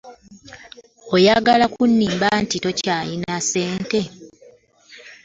Oyagala kunnimba mbu tolina ssente?